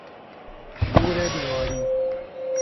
شور بیماری